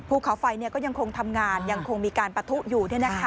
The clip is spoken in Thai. ภูเขาไฟก็ยังคงทำงานยังคงมีการปะทุอยู่